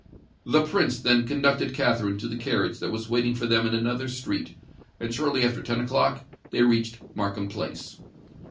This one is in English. The Prince then conducted Katherine to the carriage that was waiting for them in another street; and shortly after ten o'clock they reached Markham Place.